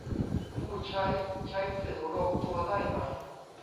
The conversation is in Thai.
ผู้ใช้ใช้สื่อรวมตัวได้ไหม